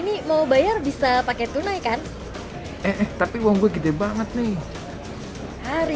ini mau bayar bisa pakai tunai kan tapi uang gue gede banget nih hari